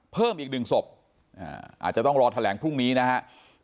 เพิ่มอีกดึงศพอ่าอาจจะต้องรอแถลงพรุ่งนี้นะฮะ